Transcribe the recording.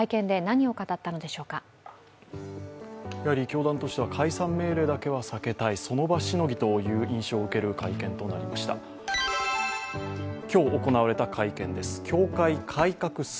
教団としては解散命令だけは避けたい、その場しのぎという印象を受ける会見となりました。